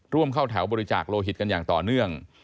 ร่วมเข้าแถวบริจาคโลหิตกันอย่างต่อเนื่อง